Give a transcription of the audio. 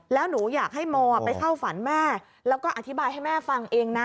แล้วหนูอยากให้โมไปเข้าฝันแม่แล้วก็อธิบายให้แม่ฟังเองนะ